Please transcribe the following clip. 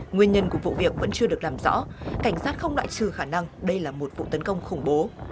nguyên nhân của vụ việc vẫn chưa được làm rõ cảnh sát không loại trừ khả năng đây là một vụ tấn công khủng bố